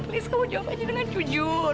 list kamu jawab aja dengan jujur